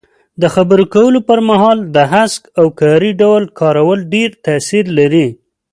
د خبرو کولو پر مهال د هسک او کاري ډول کارول ډېر تاثیر لري.